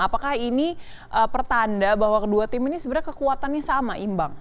apakah ini pertanda bahwa kedua tim ini sebenarnya kekuatannya sama imbang